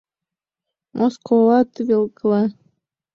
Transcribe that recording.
Моско ола тывелкыла.